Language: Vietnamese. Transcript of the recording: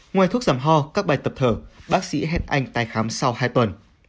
ngoài thuốc giảm ho các bài tập thở bác sĩ hẹn anh tài khám sau hai tuần